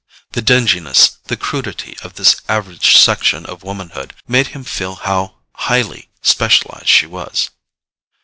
The dinginess, the crudity of this average section of womanhood made him feel how highly specialized she was.